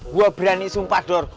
gua berani sumpah dor